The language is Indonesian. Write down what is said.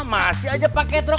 masih aja pak ketro